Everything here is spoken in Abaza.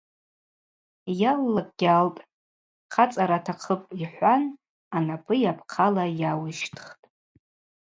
Йаллакӏгьи алтӏ, хъацӏара атахъыпӏ, – йхӏван анапӏы йапхъала йауищтхтӏ.